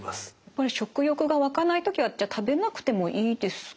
これ食欲が湧かない時はじゃあ食べなくてもいいですか？